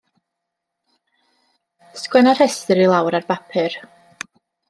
Sgwenna'r rhestr i lawr ar bapur.